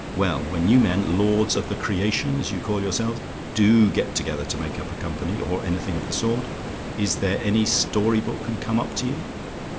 Well, when you men lords of the creation, as you call yourselves do get together to make up a company, or anything of the sort is there any story book can come up to you?